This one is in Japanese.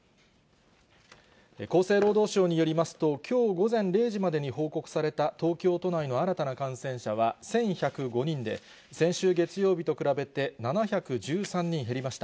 厚生労働省によりますと、きょう午前０時までに報告された東京都内の新たな感染者は１１０５人で、先週月曜日と比べて７１３人減りました。